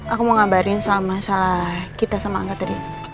aku mau ngabarin soal masalah kita sama angkat tadi